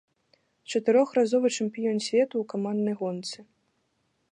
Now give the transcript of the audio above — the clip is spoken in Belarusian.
Чатырохразовы чэмпіён свету ў каманднай гонцы.